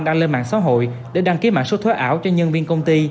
đang lên mạng xã hội để đăng ký mạng số thuế ảo cho nhân viên công ty